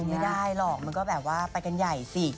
ไม่ได้หรอกมันก็แบบว่าไปกันใหญ่สิ